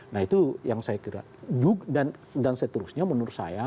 nah itu yang saya kira dan seterusnya menurut saya